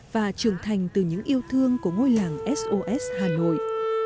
và trưởng thành từ những yêu thương của ngôi làng sos hà nội